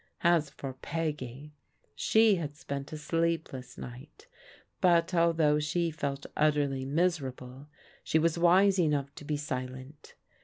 As for Peggy, she had spent a sleepless night, but although she felt utterly nuserable, she was wise enough to be silent.